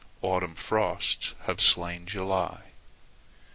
Autumn frosts have slain July.